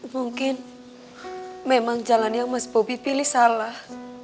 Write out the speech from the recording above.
mungkin memang jalan yang mas bobi pilih salah